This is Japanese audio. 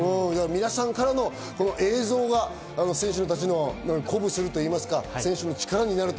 皆さんからの映像が選手たちを鼓舞するといいますか、力になると